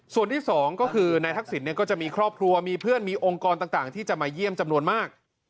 ส่วนที่สองก็คือนายทักษิณก็จะมีครอบครัวมีเพื่อนมีองค์กรต่างที่จะมาเยี่ยมจำนวนมาก